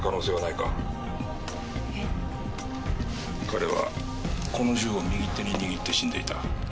彼はこの銃を右手に握って死んでいた。